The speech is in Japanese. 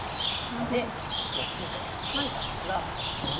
なので同金と取ったんですがこれも。